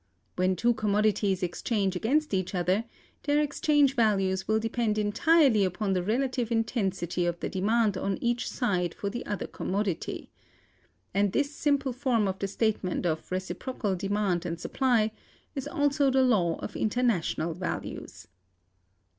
When two commodities exchange against each other, their exchange values will depend entirely upon the relative intensity of the demand on each side for the other commodity. And this simple form of the statement of reciprocal demand and supply is also the law of international values.